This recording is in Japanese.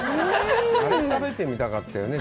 あれを食べてみたかったよね。